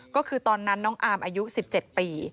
ก็คือตอนนั้นน้องอาร์มอายุ๑๗ปี